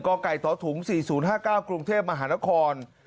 ก่อก่ายต่อถุง๔๐๕๙กรุงเทพฯมหานคร